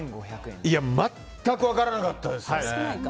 まったく分からなかったですね。